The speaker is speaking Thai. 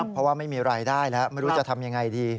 เพราะว่าไม่มีรายได้แล้วไม่รู้จะทำยังไงดี